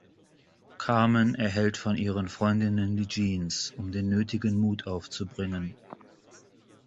Carmen erhält von ihren Freundinnen die Jeans, um den nötigen Mut aufzubringen.